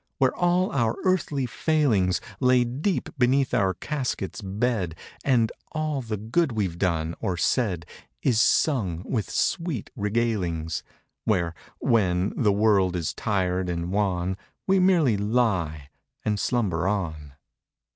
Where all our earthly failings Lay deep beneath our casket's bed; And all the good we've done or said Is sung with sweet regalings. Where, when, the world is tired and wan We merely lie and slumber on.